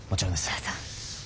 どうぞ。